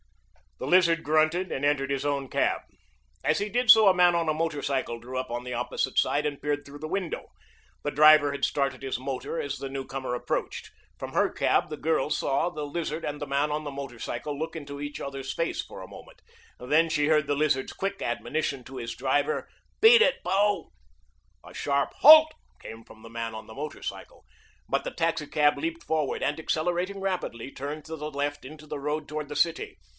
The Lizard grunted and entered his own cab. As he did so a man on a motorcycle drew up on the opposite side and peered through the window. The driver had started his motor as the newcomer approached. From her cab the girl saw the Lizard and the man on the motorcycle look into each other's face for a moment, then she heard the Lizard's quick admonition to his driver, "Beat it, bo!" A sharp "Halt!" came from the man on the motorcycle, but the taxicab leaped forward, and, accelerating rapidly, turned to the left into the road toward the city.